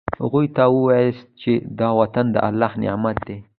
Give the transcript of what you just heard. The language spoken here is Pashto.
هغوی ته ووایاست چې دا وطن د الله نعمت دی.